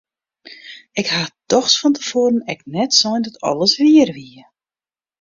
Ik ha dochs fan te foaren ek net sein dat alles wier wie!